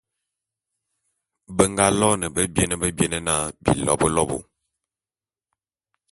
Be nga loene bebiene bebiene na, Bilobôlobô.